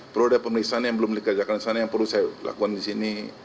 perlu ada pemeriksaan yang belum dikerjakan di sana yang perlu saya lakukan di sini